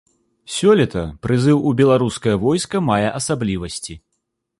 Сёлета прызыў у беларускае войска мае асаблівасці.